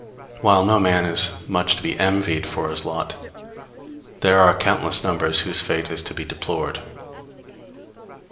While no man is much to be envied for his lot, there are countless numbers whose fate is to be deplored.